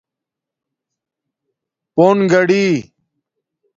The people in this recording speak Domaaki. پݸن گاڑی